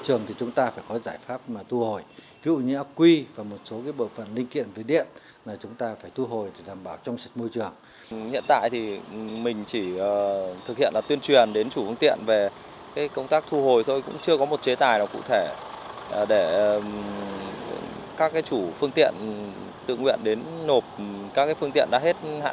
cũng chưa có một chế tài nào cụ thể để các chủ phương tiện tự nguyện đến nộp các phương tiện đã hết hạn liêu hành